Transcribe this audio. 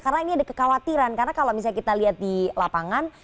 karena ini ada kekhawatiran karena kalau misalnya kita lihat di lapangan